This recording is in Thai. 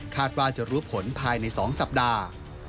ว่าจะรู้ผลภายใน๒สัปดาห์